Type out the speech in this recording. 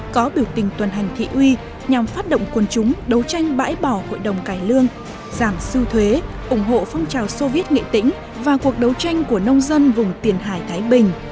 có biểu tình tuần hành thị uy nhằm phát động quân chúng đấu tranh bãi bỏ hội đồng cải lương giảm sưu thuế ủng hộ phong trào soviet nghệ tĩnh và cuộc đấu tranh của nông dân vùng tiền hải thái bình